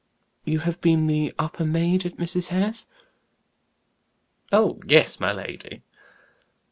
"You have been the upper maid at Mrs. Hare's?" "Oh, yes, my lady."